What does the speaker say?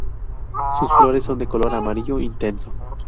Sus flores son de color amarillo intenso.